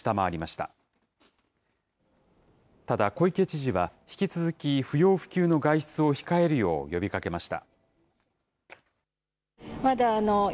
ただ、小池知事は、引き続き不要不急の外出を控えるよう呼びかけました。